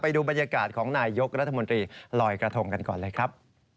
ดูบรรยากาศของนายยกรัฐมนตรีลอยกระทงกันก่อนเลยครับ